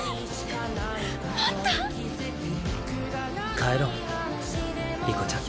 帰ろう理子ちゃん。